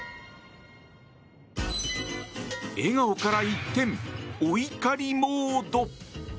笑顔から一転、お怒りモード。